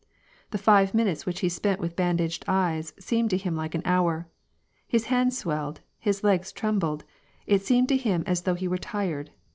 The five minutes which he spent with bandaged eyes, seemed to him like an hour. His hands swelled, his legs trembled ; it seemed to him as though he were tired.